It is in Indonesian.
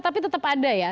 tapi tetap ada ya